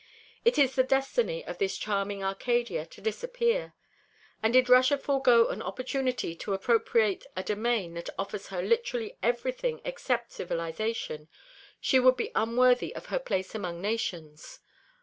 It is the destiny of this charming Arcadia to disappear; and did Russia forego an opportunity to appropriate a domain that offers her literally everything except civilization, she would be unworthy of her place among nations.